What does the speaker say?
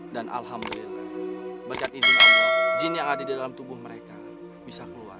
dan alhamdulillah berkat izin allah jin yang ada di dalam tubuh mereka bisa keluar